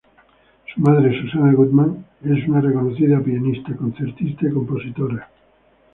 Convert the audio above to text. Su madre, Susana Gutman, es una reconocida pianista, concertista y compositora.